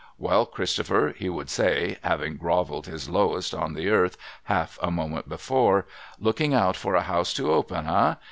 'Well, Christopher,' he would say (having grovelled his lowest on the earth, half a moment before), ' looking out for a House to open, eh